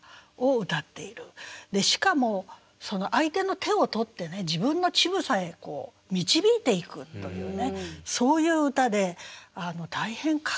しかも相手の手を取って自分の乳房へ導いていくというねそういう歌で大変画期的ですね。